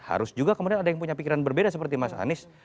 harus juga kemudian ada yang punya pikiran berbeda seperti mas anies